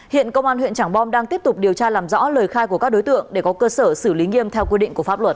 hiện công an huyện trảng bom đang tiếp tục điều tra làm rõ lời khai của các đối tượng để có cơ sở xử lý nghiêm theo quy định của pháp luật